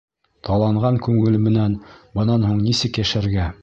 Таланған күңел менән бынан һуң нисек йәшәргә?..